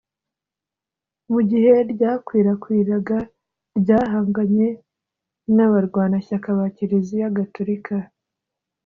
mu gihe ryakwirakwiraga, ryahanganye n’abarwanashyaka ba kiliziya gatolika